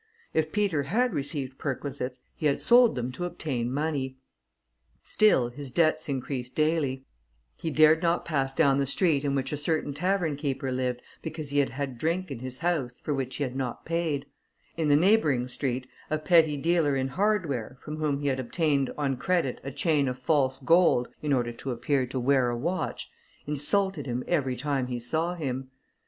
If Peter had received perquisites, he had sold them to obtain money. Still his debts increased daily; he dared not pass down the street in which a certain tavern keeper lived, because he had had drink in his house, for which he had not paid; in the neighbouring street a petty dealer in hardware, from whom he had obtained, on credit, a chain of false gold, in order to appear to wear a watch, insulted him every time he saw him.